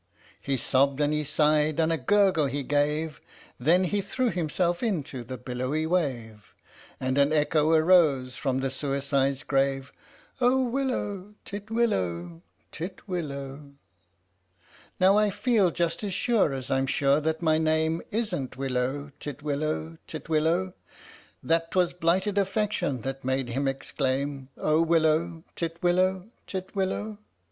" He sobbed and he sighed, and a gurgle he gave, Then he threw himself into the billowy wave, And an echo arose from the suicide's grave " Oh willow, titwillow, titwillow !" Now I feel just as sure as I'm sure that my name Isn't willow, titwillow, titwillow, That 'twas blighted affection that made him exclaim " Oh willow, titwillow, titwillow!